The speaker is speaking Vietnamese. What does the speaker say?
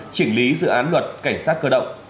chỉnh lý dự án luật cảnh sát cơ động